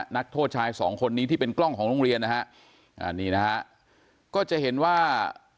นักโทษชายสองคนนี้ที่เป็นกล้องของโรงเรียนนะฮะอ่านี่นะฮะก็จะเห็นว่า